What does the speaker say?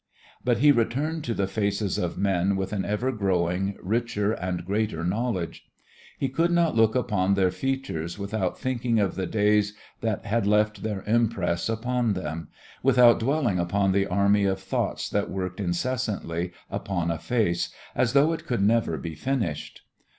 But he returned to the faces of men with an ever growing, richer and greater knowledge. He could not look upon their features without thinking of the days that had left their impress upon them, without dwelling upon the army of thoughts that worked incessantly upon a face, as though it could never be finished.